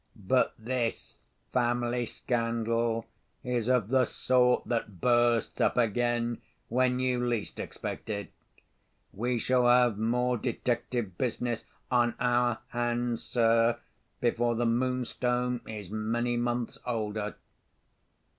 "But this family scandal is of the sort that bursts up again when you least expect it. We shall have more detective business on our hands, sir, before the Moonstone is many months older."